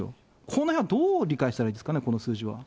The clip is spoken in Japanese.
このへんはどう理解したらいいですかね、この数字は。